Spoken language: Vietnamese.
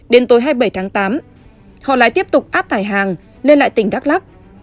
đến tối hai mươi bảy tháng tám họ lại tiếp tục áp tải hàng lên lại tỉnh đắk lắc